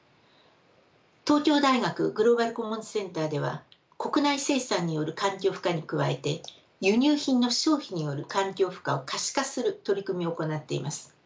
東京大学グローバル・コモンズ・センターでは国内生産による環境負荷に加えて輸入品の消費による環境負荷を可視化する取り組みを行っています。